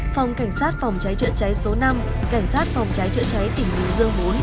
phòng cảnh sát phòng trái trợ cháy số năm cảnh sát phòng trái trợ cháy tỉnh bình dương bốn